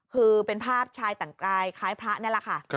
คือเป็นภาพชายแต่งกายคล้ายพระนี่แหละค่ะ